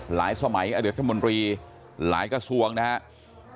หลายสมัยอเดือดธรรมดรีหลายกระทรวงนะครับ